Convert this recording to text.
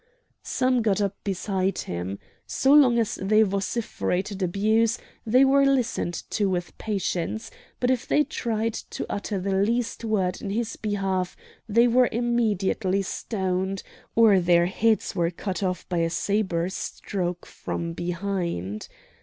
Some got up beside him. So long as they vociferated abuse they were listened to with patience; but if they tried to utter the least word in his behalf they were immediately stoned, or their heads were cut off by a sabre stroke from behind.